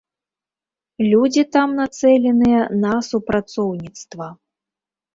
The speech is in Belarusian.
Людзі там нацэленыя на супрацоўніцтва.